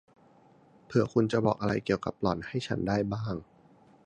เผื่อคุณพอจะบอกอะไรเกี่ยวกับหล่อนให้ฉันได้บ้าง